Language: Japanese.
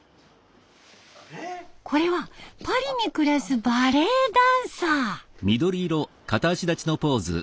これはパリに暮らすバレエダンサー。